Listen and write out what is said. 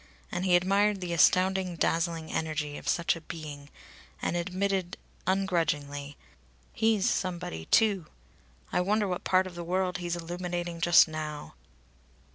And he admired the astounding, dazzling energy of such a being, and admitted ungrudgingly: "He's somebody too! I wonder what part of the world he's illuminating just now!"